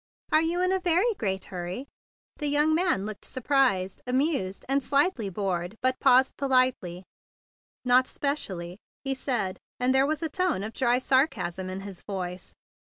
"Are you in a very great hurry?" 22 THE BIG BLUE SOLDIER The young man looked surprised, amused, and slightly bored, but paused politely. "Not specially," he said; and there was a tone of dry sarcasm in his voice.